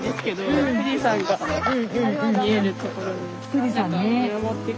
富士山ね。